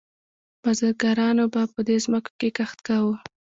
بزګرانو به په دې ځمکو کې کښت کاوه.